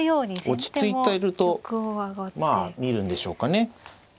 落ち着いているとまあ見るんでしょうかね。